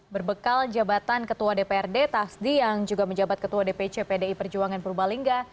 berbekal jabatan ketua dprd tasdi yang juga menjabat ketua dpc pdi perjuangan purbalingga